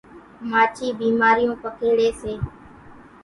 ماڇِي ڀيمارِيوُن پکيڙيَ سي۔